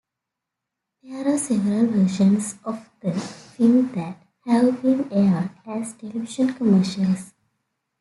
There are several versions of the film that have been aired as television commercials.